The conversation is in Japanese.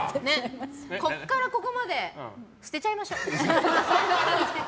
ここからここまで捨てちゃいましょう。